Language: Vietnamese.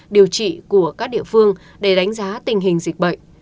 điều trị của các địa phương để đánh giá tình hình dịch bệnh